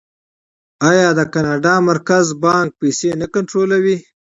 آیا د کاناډا مرکزي بانک پیسې نه کنټرولوي؟